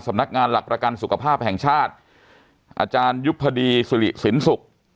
สำนักงานหลักประกันสุขภาพแห่งชาติอาจารยุพดีสุริสินศุกร์